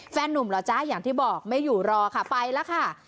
หนุ่มเหรอจ๊ะอย่างที่บอกไม่อยู่รอค่ะไปแล้วค่ะ